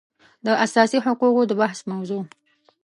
د اساسي حقوقو د بحث موضوع